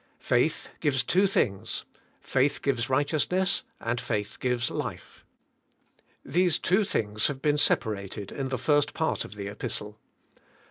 Faith gives two thing s, faith g'ives righteousness and faith gives life. These two things have been separated in the first part of the Kpistle.